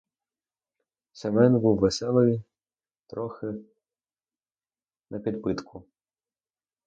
Семен був веселий, трохи напідпитку.